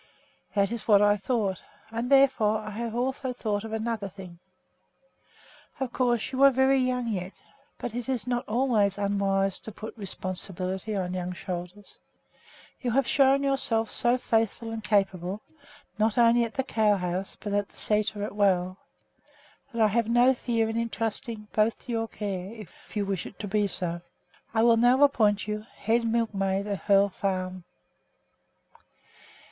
"That is what I thought, and therefore I have also thought of another thing. Of course you are very young yet, but it is not always unwise to put responsibility on young shoulders. You have shown yourself so faithful and capable, not only at the cow house but at the sæter as well, that I have no fear in intrusting both to your care. If you wish it to be so, I will now appoint you head milkmaid at Hoel Farm."